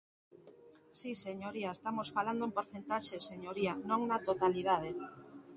Si, señoría, estamos falando en porcentaxes, señoría, non na totalidade.